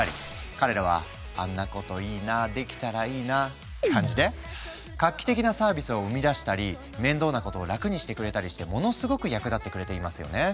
彼らはあんなこといいなできたらいいなって感じで画期的なサービスを生み出したり面倒なことを楽にしてくれたりしてものすごく役立ってくれていますよね。